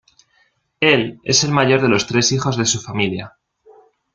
Él es el mayor de los tres hijos de su familia.